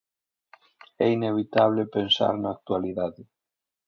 É inevitable pensar na actualidade.